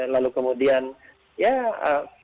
lalu kemudian ya patahkan